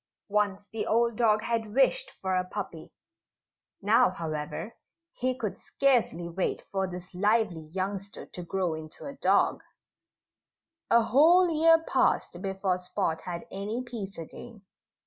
Once the old dog had wished for a puppy. Now, however, he could scarcely wait for this lively youngster to grow into a dog. A whole year passed before Spot had any peace again.